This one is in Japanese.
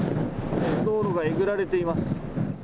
道路がえぐられています。